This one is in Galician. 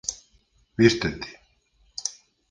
Vístete.